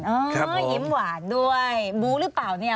ยิ้มหวานด้วยบู้หรือเปล่าเนี่ย